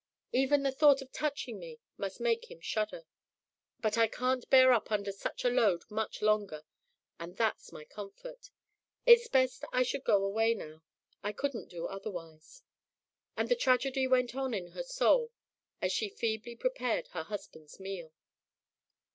Even the thought of touching me must make him shudder. But I can't bear up under such a load much longer, and that's my comfort. It's best I should go away now; I couldn't do otherwise," and the tragedy went on in her soul as she feebly prepared her husband's meal.